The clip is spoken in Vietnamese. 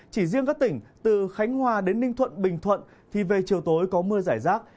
chỉ riêng các tỉnh từ khánh hòa đến ninh thuận bình thuận thì về chiều tối có mưa giải rác